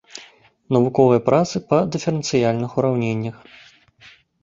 Навуковыя працы па дыферэнцыяльных ураўненнях.